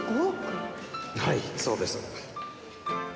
はいそうです。